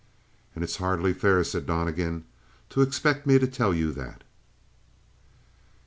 "And it's hardly fair," said Donnegan, "to expect me to tell you that."